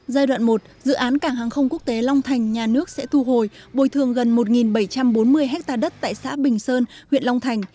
giai đoạn một dự án cảng hàng không quốc tế long thành nhà nước sẽ thu hồi bồi thường gần một bảy trăm bốn mươi ha đất tại xã bình sơn huyện long thành